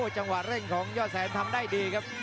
จังหวะเร่งของยอดแสนทำได้ดีครับ